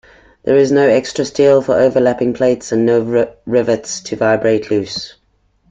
There is no extra steel for overlapping plates and no rivets to vibrate loose.